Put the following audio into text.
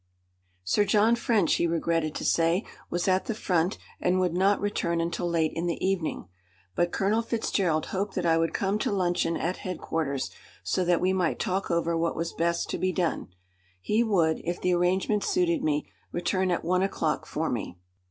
Sir John French, he regretted to say, was at the front and would not return until late in the evening. But Colonel Fitzgerald hoped that I would come to luncheon at headquarters, so that we might talk over what was best to be done. He would, if the arrangement suited me, return at one o'clock for me.